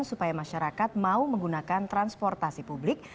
supaya masyarakat mau menggunakan transportasi publik